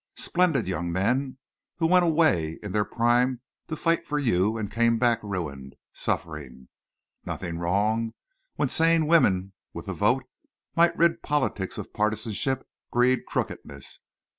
Splendid young men who went away in their prime to fight for you and came back ruined, suffering! Nothing wrong when sane women with the vote might rid politics of partisanship, greed, crookedness?